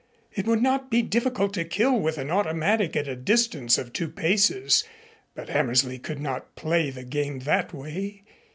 It would not be difficult to kill with an automatic at a distance of two paces, but Hammersley could not play the game that way.